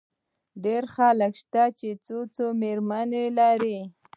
ډېر خلک شته، چي څو څو مېرمنې لري.